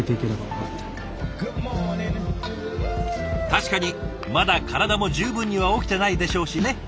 確かにまだ体も十分には起きてないでしょうしね。